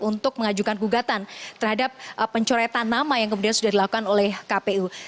untuk mengajukan gugatan terhadap pencoretan nama yang kemudian sudah dilakukan oleh kpu